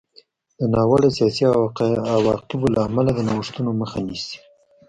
د ناوړه سیاسي عواقبو له امله د نوښتونو مخه نیسي.